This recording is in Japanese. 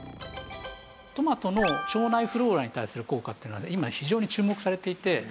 トマトの腸内フローラに対する効果っていうのが今非常に注目されていて。